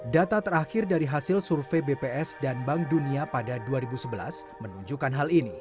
data terakhir dari hasil survei bps dan bank dunia pada dua ribu sebelas menunjukkan hal ini